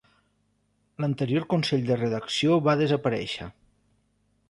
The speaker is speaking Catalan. L'anterior consell de redacció va desaparèixer.